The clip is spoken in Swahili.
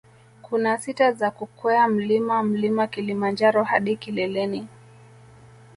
Kuna sita za kukwea mlima mlima kilimanjaro hadi kileleni